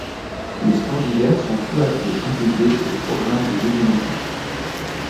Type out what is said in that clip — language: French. Les sports d'hiver sont peu à peu intégrés au programme des Jeux olympiques.